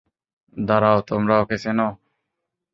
দাঁড়াও, তোমরা ওকে চেনো?